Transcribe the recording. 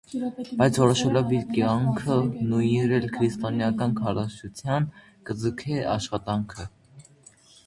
Բայց որոշելով իր կեանքը նուիրել քրիստոնէական քարոզչութեան, կը ձգէ աշխատանքը։